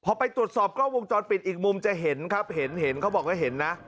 พอไปตรวจสอบกล้องวงจรปิดอีกมุมจะเห็นครับเห็นเห็นเขาบอกว่าเห็นนะ